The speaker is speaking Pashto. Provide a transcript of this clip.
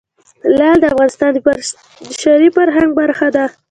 لعل د افغانستان د بشري فرهنګ برخه ده.